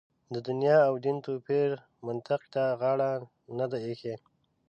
د دنیا او دین توپیر منطق ته غاړه نه ده اېښې.